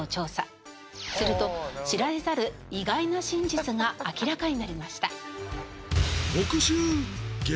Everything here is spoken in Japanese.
すると知られざる意外な真実が明らかになりました。